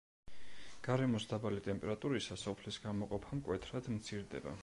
გარემოს დაბალი ტემპერატურისას ოფლის გამოყოფა მკვეთრად მცირდება.